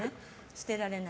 捨てられない。